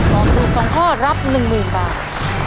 ตอบถูก๒ข้อรับ๑๐๐๐บาท